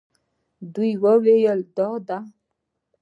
دوی وویل دا ده.